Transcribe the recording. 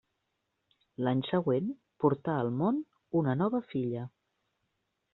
L'any següent portà al món una nova filla.